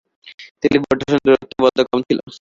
টেলিপোর্টেশনের দুরত্বটা বড্ড কম ছিলো।